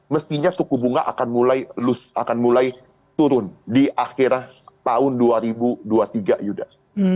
mestinya suku bunga akan mulai turun di akhir tahun dua ribu dua puluh tiga yuda